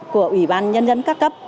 của ủy ban nhân dân các cấp